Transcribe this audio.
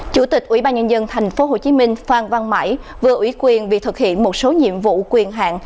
chủ tịch ủy ban nhân dân tp hcm phan văn mãi vừa ủy quyền việc thực hiện một số nhiệm vụ quyền hạn